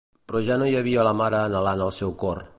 Però ja no hi havia la mare anhelant al seu cor.